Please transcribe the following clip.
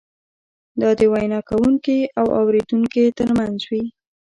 دا د وینا کوونکي او اورېدونکي ترمنځ وي.